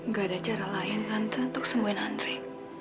gak ada cara lain tante untuk sembuhin andri